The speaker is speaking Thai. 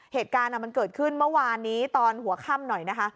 เหตุการณ์มันเกิดขึ้นเมื่อวานนี้ตอนหัวค่ำหน่อยนะคะ